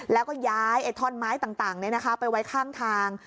แล้วก็ย้ายท่อนไม้ต่างไปไว้ข้างทาง